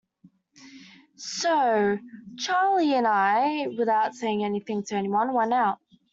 So Charley and I, without saying anything to anyone, went out.